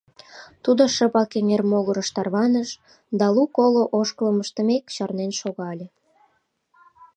Тудо шыпак эҥер могырыш тарваныш да лу-коло ошкылым ыштымек чарнен шогале.